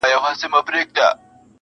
سره جمع وي په کور کي د خپلوانو؛